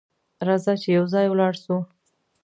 راځه چې یو ځای ولاړ سو!